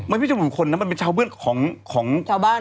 มันไม่ใช่ส่วนบุคคลมันเป็นชาวบ้าน